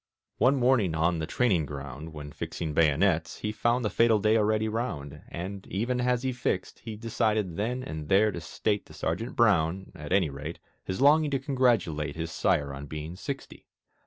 One morning on the training ground, When fixing bayonets, he found The fatal day already round, And, even as he fixed, he Decided then and there to state To Sergeant Brown (at any rate) His longing to congratulate His sire on being sixty.